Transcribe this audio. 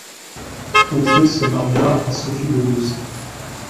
Gauthier se maria à Sophie de Looz.